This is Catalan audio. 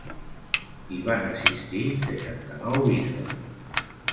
Hi van assistir seixanta-nou bisbes.